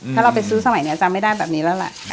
ถ้าเราไปซื้อสมัยนี้จำไม่ได้แบบนี้แล้วล่ะ